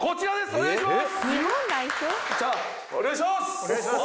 お願いします